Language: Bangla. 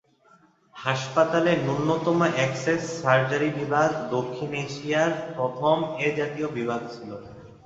হাসপাতালের ন্যূনতম অ্যাক্সেস সার্জারি বিভাগ দক্ষিণ এশিয়ায় প্রথম এ জাতীয় বিভাগ ছিল।